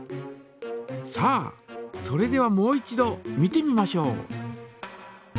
さあそれではもう一度見てみましょう。